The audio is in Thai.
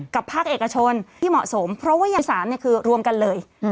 ภาคเอกชนที่เหมาะสมเพราะว่ายา๓คือรวมกันเลย